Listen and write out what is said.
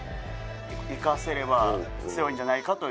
生かせれば強いんじゃないかという